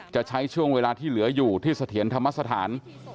จะใช้ช่วงเวลาที่เหลืออยู่ที่เสถียรธรรมสถาน